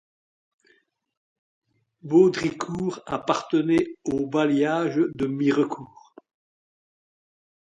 Baudricourt appartenait au bailliage de Mirecourt.